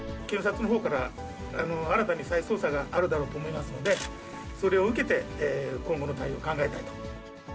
検察のほうから、新たに再捜査があるだろうと思いますので、それを受けて今後の対応を考えたいと。